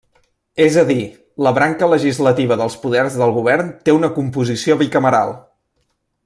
És a dir, la branca legislativa dels poders del govern té una composició bicameral.